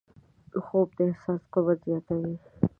خوب د احساس قوت زیاتوي